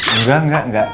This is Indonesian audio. enggak enggak enggak